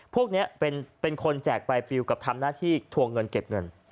พวกนี้เป็นคนแจกใบปิวกับทำหน้าที่ทวงเงินเก็บเงิน